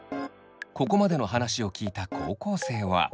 ここまでの話を聞いた高校生は。